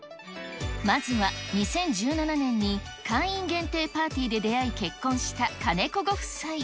まずは２０１７年に、会員限定パーティーで出会い、結婚した金子ご夫妻。